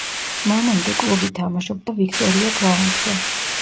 მანამდე კლუბი თამაშობდა „ვიქტორია გრაუნდზე“.